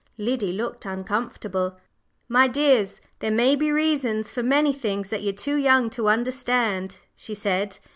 Liddy looked uncomfortable. "My dears, there may be reasons for many things that you're too young to understand," she said.